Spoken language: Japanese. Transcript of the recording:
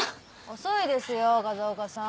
遅いですよ風岡さん。